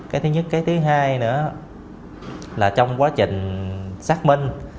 cái thứ nhất cái thứ hai nữa là trong quá trình xác minh